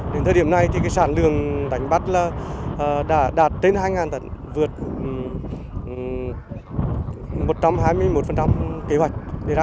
đến thời điểm này sản lượng đánh bắt đã đạt trên hai tấn vượt một trăm hai mươi một kế hoạch